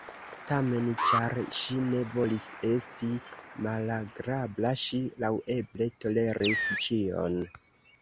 Tamen, ĉar ŝi ne volis esti malagrabla, ŝi laŭeble toleris ĉion.